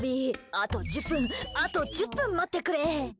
あと１０分あと１０分待ってくれ！